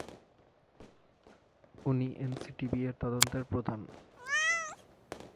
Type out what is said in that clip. উনি এনটিএসবি এর তদন্তের প্রধান।